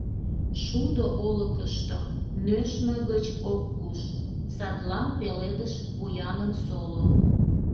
Шудо олыкышто нӧшмӧ гыч ок куш, садлан пеледыш вуяным соло.